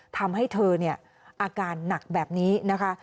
ทำให้เธอเนี่ยอาการหนักแบบนี้นะคะ